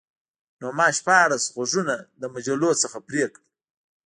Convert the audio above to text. نو ما شپاړس غوږونه له مجلو څخه پرې کړل